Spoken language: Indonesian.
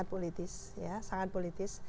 jadi ini sangat politis